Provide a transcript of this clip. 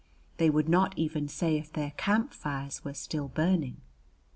They would not even say if their camp fires were still burning.